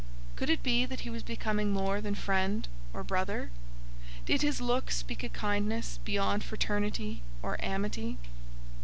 Could it be that he was becoming more than friend or brother? Did his look speak a kindness beyond fraternity or amity?